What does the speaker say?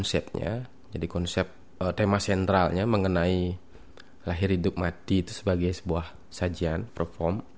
konsepnya jadi konsep tema sentralnya mengenai lahir hidup mati itu sebagai sebuah sajian perform